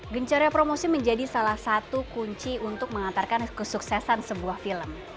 gencarnya promosi menjadi salah satu kunci untuk mengantarkan kesuksesan sebuah film